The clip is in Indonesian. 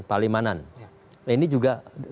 palimanan ini juga